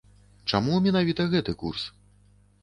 Чаму менавіта гэты курс?